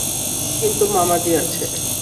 কিন্তু মামাজী আছে।